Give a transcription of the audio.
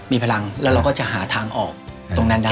มีพลังแล้วเราก็จะหาทางออกตรงนั้นได้